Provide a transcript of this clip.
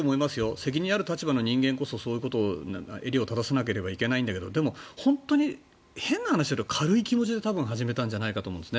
責任ある立場の人間こそそういうことに襟を正さないといけないんだけどでも、本当に変な話だけど軽い気持ちで多分始めたんじゃないかと思います。